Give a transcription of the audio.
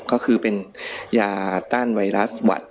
ก็คือเป็นยาต้านไวรัสหวัด